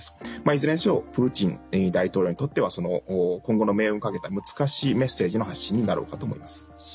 いずれにせよプーチン大統領にとっては今後の命運をかけた難しいメッセージの発信になろうかと思います。